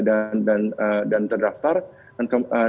dan kemudian ada yang berikutnya